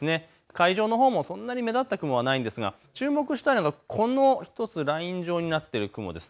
海上のほうもそんなに目立った雲はないんですが注目したのが、このライン状になっている雲です。